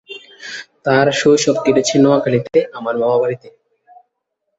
তার শৈশব কাটে নোয়াখালীতে তার মামার বাড়িতে।